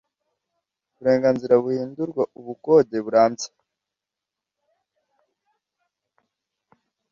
burenganzira buhindurwa ubukode burambye